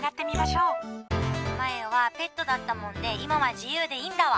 前はペットだったもんで今は自由でいいんだわ。